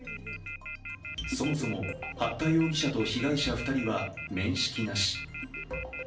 そもそも、八田容疑者と被害者２人は面識なし。